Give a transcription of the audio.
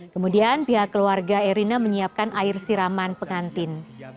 kemudian pihak keluarga erina menyiapkan air siraman pengantin